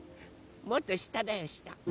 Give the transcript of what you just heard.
もっとしただよした。